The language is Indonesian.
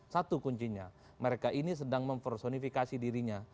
satu kuncinya mereka ini sedang mempersonifikasi dirinya